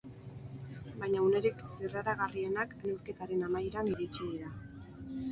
Baina unerik zirraragarrienak neurketaren amaieran iritsi dira.